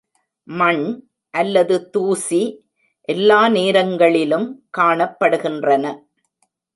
மண் அல்லது தூசி எல்லா நேரங்களிலும் காணப்படுகின்றன.